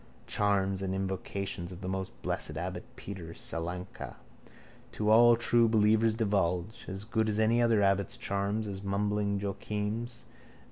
Charms and invocations of the most blessed abbot Peter Salanka to all true believers divulged. As good as any other abbot's charms, as mumbling Joachim's.